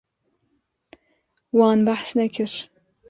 Wan behs nekir.